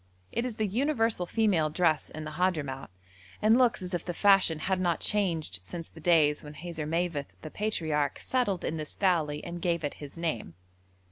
It is the universal female dress in the Hadhramout, and looks as if the fashion had not changed since the days when Hazarmaveth the Patriarch settled in this valley and gave it his name.